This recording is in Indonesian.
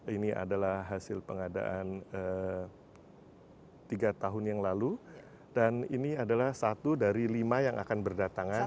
ini adalah hasil pengadaan tiga tahun yang lalu dan ini adalah satu dari lima yang akan berdatangan